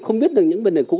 cử tri đặc biệt mong chờ